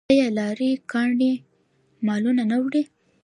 آیا لاری ګانې مالونه نه وړي؟